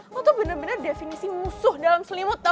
lo tuh bener bener definisi musuh dalam selimut tau gak